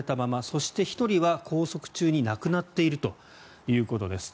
そして１人は拘束中に亡くなっているということです。